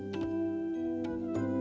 janganlah kau berguna